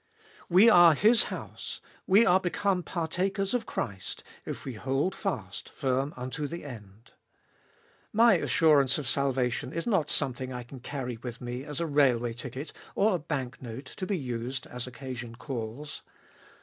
We are His house, we are become partakers of Christ, if we hold fast, firm unto the end. My assurance of salvation is not something I can carry with me as a railway ticket or a bank note, to be used, as occasion calls.